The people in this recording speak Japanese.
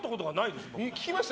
聞きました？